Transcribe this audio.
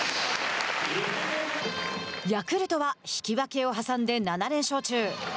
ヤクルトは引き分けを挟んで７連勝中。